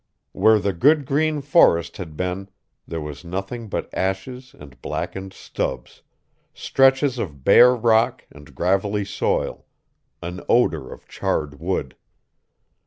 Where the good green forest had been, there was nothing but ashes and blackened stubs, stretches of bare rock and gravelly soil, an odor of charred wood.